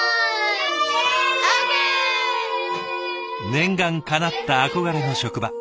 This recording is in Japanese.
念願かなった憧れの職場。